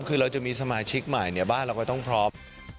คือเราจะมีสมาชิกใหม่เนี่ยบ้านเราก็ต้องพร้อม